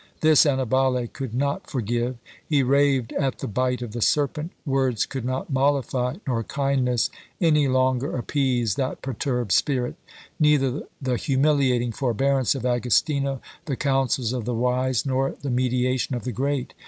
This Annibale could not forgive; he raved at the bite of the serpent: words could not mollify, nor kindness any longer appease, that perturbed spirit; neither the humiliating forbearance of Agostino, the counsels of the wise, nor the mediation of the great.